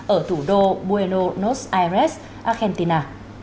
ở thủ đô buenos aires argentina